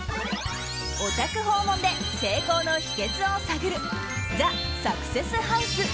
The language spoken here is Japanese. お宅訪問で成功の秘訣を探るＴＨＥサクセスハウス